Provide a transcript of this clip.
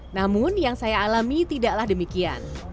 namun yang saya alami tidaklah demikian